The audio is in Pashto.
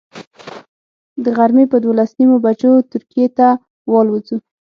د غرمې پر دولس نیمو بجو ترکیې ته والوځو.